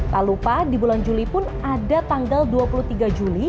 tak lupa di bulan juli pun ada tanggal dua puluh tiga juli